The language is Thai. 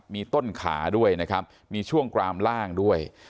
มีต้นขาด้วยนะครับมีช่วงกรามล่างด้วย